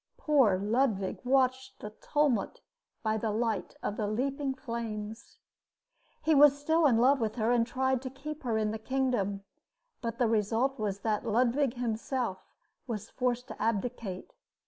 Poor Ludwig watched the tumult by the light of the leaping flames. He was still in love with her and tried to keep her in the kingdom; but the result was that Ludwig himself was forced to abdicate.